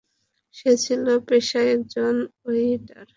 সে ছিল পেশায় একজন ওয়েইটার!